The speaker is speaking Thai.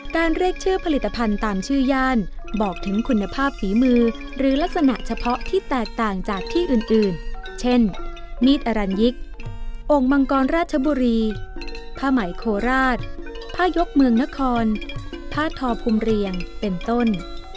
เรียกชื่อผลิตภัณฑ์ตามชื่อย่านบอกถึงคุณภาพฝีมือหรือลักษณะเฉพาะที่แตกต่างจากที่อื่นเช่นมีดอรัญยิกองค์มังกรราชบุรีผ้าไหมโคราชผ้ายกเมืองนครผ้าทอภูมิเรียงเป็นต้น